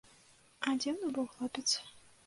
А дзіўны быў хлопец!